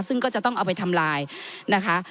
ซึ่งก็จะต้องเอาไปทำลายนะคะ